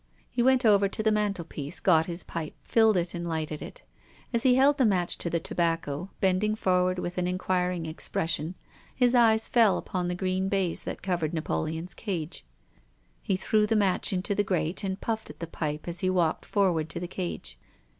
He went over to the mantelpiece, got his pipe, filled it and lighted it. As he held the match to the tobacco, bending forward with an inquiring expression, his eyes fell upon the green baize that covered Napoleon's cage. He threw the match into the grate, and puffed at the pipe as he walked forward to the cage.